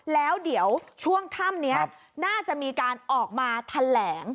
แล้วเดี๋ยวช่วงค่ำนี้น่าจะมีการออกมาแถลง